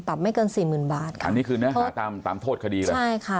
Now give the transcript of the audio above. ไม่เกินสี่หมื่นบาทค่ะอันนี้คือเนื้อหาตามตามโทษคดีเลยใช่ค่ะ